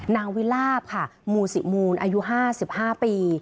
นางวิลาบค่ะมูสิมูลอายุ๕๕ปี